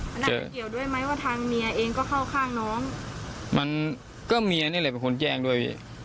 มันอาจจะเกี่ยวด้วยไหมว่าทางเมียเองก็เข้าข้างน้องมันก็เมียนี่แหละเป็นคนแจ้งด้วย